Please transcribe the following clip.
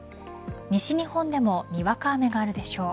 西日本でもにわか雨があるでしょう。